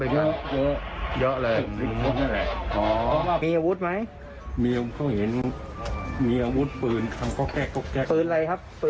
ตอนนั้นผมอยู่นี่